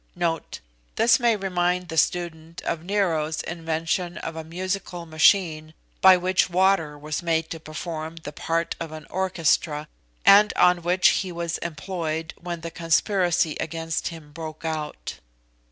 * This may remind the student of Nero's invention of a musical machine, by which water was made to perform the part of an orchestra, and on which he was employed when the conspiracy against him broke out.